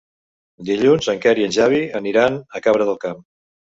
Dilluns en Quer i en Xavi aniran a Cabra del Camp.